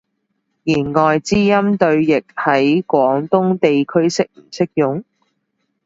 弦外之音對譯，喺廣東地區適唔適用？